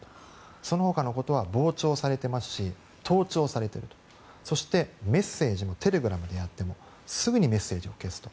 その他のことは傍聴されてますし盗聴されてるそしてメッセージもテレグラムでやってもすぐにメッセージを消すと。